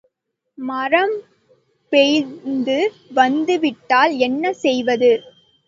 மரம் பெயர்ந்து வந்துவிட்டால் என்ன செய்வது?